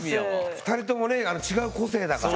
２人ともね違う個性だから。